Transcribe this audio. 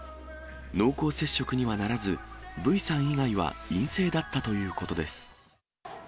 濃厚接触にはならず、Ｖさん以外は陰性だったということです。